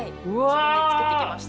自分で作ってきました。